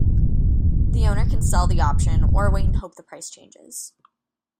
The owner can sell the option, or wait and hope the price changes.